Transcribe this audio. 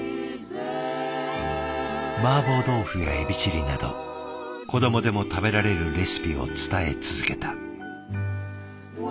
マーボー豆腐やエビチリなど子どもでも食べられるレシピを伝え続けた。